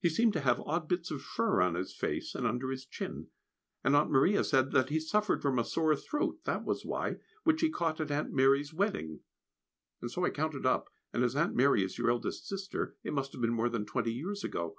He seemed to have odd bits of fur on his face and under his chin, and Aunt Maria said that he suffered from a sore throat, that was why, which he caught at Aunt Mary's wedding; and so I counted up and as Aunt Mary is your eldest sister, it must have been more than twenty years ago.